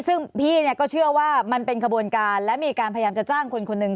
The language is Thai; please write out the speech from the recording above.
ซึ่งพี่เนี่ยก็เชื่อว่ามันเป็นขบวนการและมีการพยายามจะจ้างคนคนหนึ่ง